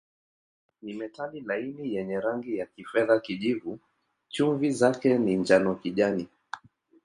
Ni metali laini yenye rangi ya kifedha-kijivu, chumvi zake ni njano-kijani.